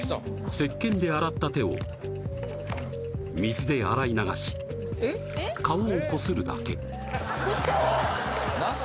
せっけんで洗った手を水で洗い流し顔をこするだけウソ？